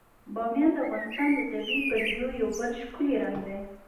بامیان د افغانستان د طبیعي پدیدو یو بل ښکلی رنګ دی.